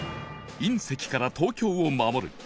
隕石から東京を守る